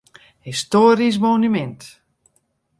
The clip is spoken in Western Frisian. Histoarysk monumint.